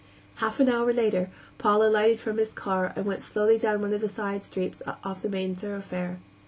Half an hour later Paul alighted from his car and went slowly down one of the side streets off the main thoroughfare.